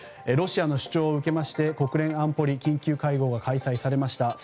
ロシアの主張を受けまして国連安保理の緊急会合が開かれました。